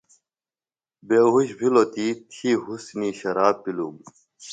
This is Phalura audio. بیہوۡش بِھلوۡ تی تھی حُسُنیۡ شراب پِلوۡم۔